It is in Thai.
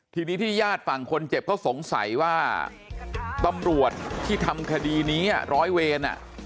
ทีนี้ที่ญาติฝั่งคนเจ็บเขาสงสัยว่าตำรวจที่ทำคดีนี้ร้อยเวร